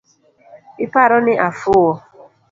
Iparo ni afuwo?